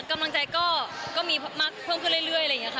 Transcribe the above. กำลังใจก็มีมากเพิ่มขึ้นเรื่อยอะไรอย่างนี้ค่ะ